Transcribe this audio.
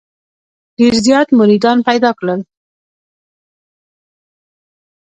ډېر زیات مریدان پیدا کړل.